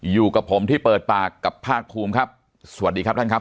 อยู่กับผมที่เปิดปากกับภาคภูมิครับสวัสดีครับท่านครับ